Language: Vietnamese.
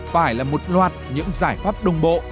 phải là một loạt những giải pháp đồng bộ